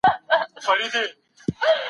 انسان ته د واکدارۍ مقام د خدای له خوا ورکړل سو.